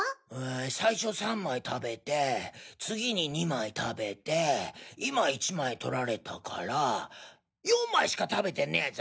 最初３枚食べて次に２枚食べて今１枚取られたから４枚しか食べてねぞ！